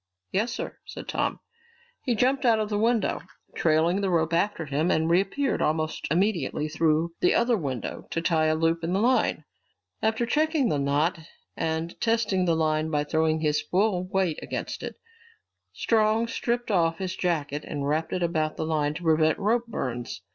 "Yes, sir," said Tom. He jumped out of the window, trailing the rope after him, and reappeared almost immediately through the other window to tie a loop in the line. After checking the knot and testing the line by throwing his full weight against it, Strong stripped off his jacket and wrapped it about the line to prevent rope burns.